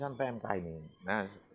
saat ini kan misalnya pmk ini